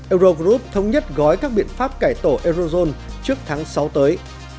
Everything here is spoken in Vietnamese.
eurogroup thống nhất gói các biện pháp cải tổ eurozone trước tháng sáu tới